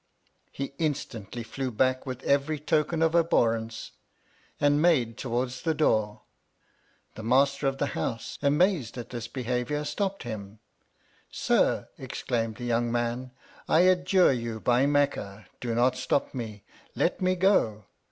He instantly flew back with every tokeu of abhorrence, and made towards the door. The master of the house, amazed at this behaviour, stopped him. Sir, exclaimed the young man, I adjure you by Mecca, do not stop me, let me go.